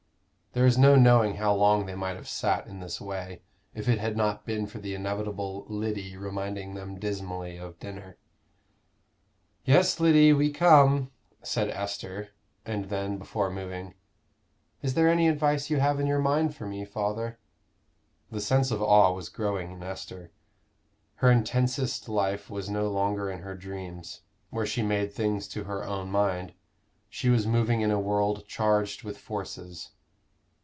There is no knowing how long they might have sat in this way, if it had not been for the inevitable Lyddy reminding them dismally of dinner. "Yes, Lyddy, we come," said Esther: and then, before moving "Is there any advice you have in your mind for me, father?" The sense of awe was growing in Esther. Her intensest life was no longer in her dreams, where she made things to her own mind: she was moving in a world charged with forces.